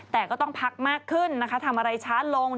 แต่ก็ต้องพักมากขึ้นนะคะทำอะไรช้าลง